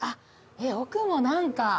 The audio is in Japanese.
えっ奥も何か。